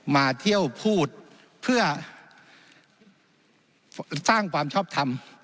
มาเที่ยวพูดเพื่อสร้างความชอบทำ